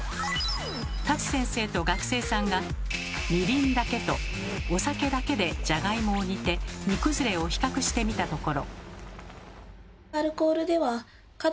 舘先生と学生さんがみりんだけとお酒だけでジャガイモを煮て煮崩れを比較してみたところ。